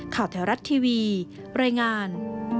แถวรัฐทีวีรายงาน